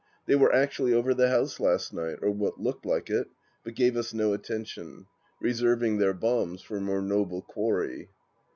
They were actually over the house last night, or what looked like it, but gave us no attention — reserving their bombs for more noble quarry.